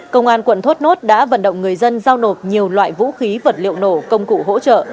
công an quận thốt nốt đã vận động người dân giao nộp nhiều loại vũ khí vật liệu nổ công cụ hỗ trợ